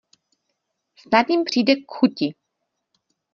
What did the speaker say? Snad jim přijde k chuti.